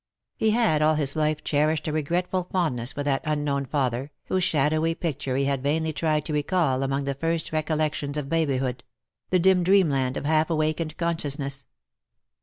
He had all his life cherished a regretful fondness for that unknown father, whose shadowy picture he had vainly tried to recall among the first faint recollec tions of babyhood — the dim dreamland of half awakened consciousness.